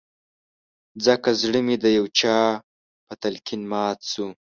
ځکه زړه مې د يو چا په تلقين مات شو